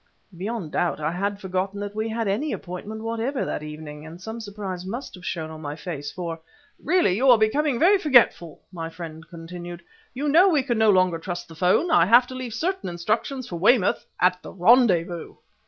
Beyond doubt I had forgotten that we had any appointment whatever that evening, and some surprise must have shown upon my face, for "Really you are becoming very forgetful!" my friend continued. "You know we can no longer trust the 'phone. I have to leave certain instructions for Weymouth at the rendezvous!"